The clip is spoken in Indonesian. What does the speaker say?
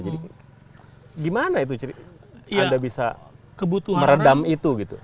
jadi gimana itu anda bisa meredam itu gitu